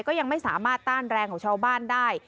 ก็ยังไม่สามารถต้านแรงของชาวบ้านได้